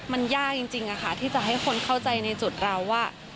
มันยากจริงที่จะให้คนเข้าใจในจุดเราว่า